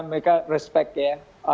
mereka respect ya